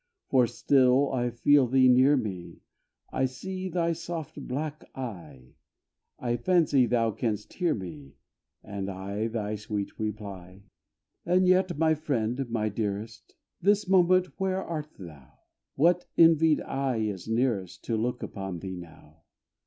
For still I feel thee near me I see thy soft black eye I fancy thou canst hear me, And I thy sweet reply. And yet, my friend, my dearest, This moment, where art thou? What envied eye is nearest, To look upon thee now?